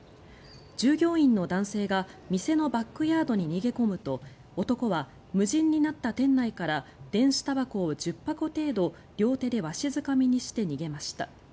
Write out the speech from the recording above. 従業員の男性が店のバックヤードに逃げ込むと男は無人になった店内から電子たばこを１０箱程度両手でわしづかみにして逃げました。